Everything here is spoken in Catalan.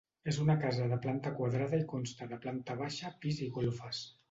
És una casa de planta quadrada i consta de planta baixa, pis i golfes.